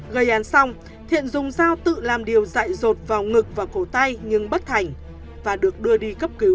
gây án xong thiện dùng dao tự làm điều dạy rột vào ngực và cổ tay nhưng bất thành và được đưa đi cấp cứu